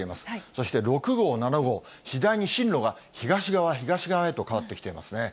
そして６号、７号、次第に進路が東側、東側へと変わってきていますね。